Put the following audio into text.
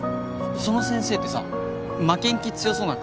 その先生ってさ負けん気強そうな顔してた？